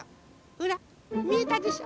ほらみえたでしょ。